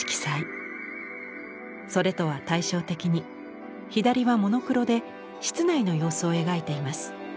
それとは対照的に左はモノクロで室内の様子を描いています。